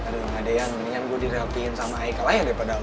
aduh ada yang ingin gua dirapiin sama aika lah ya daripada lo